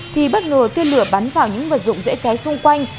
thì bất ngờ tiên lửa bắn vào những vật dụng dễ cháy xung quanh